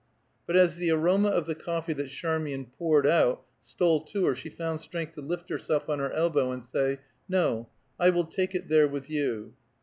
But as the aroma of the coffee that Charmian poured out stole to her, she found strength to lift herself on her elbow, and say, "No, I will take it there with you."